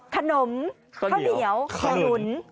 ขนมข้าวเหนียวขนุน